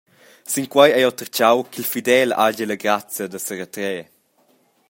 Sinquei hai jeu tertgau ch’il Fidel hagi la grazia da seretrer.